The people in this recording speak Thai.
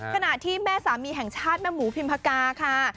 ขณะที่แม่สามีแห่งชาติแม่หมูพิมพากาค่ะ